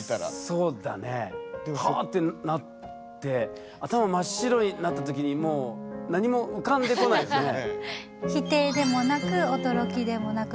そうだねわってなって頭真っ白になったときにもう何も浮かんでこないですよね。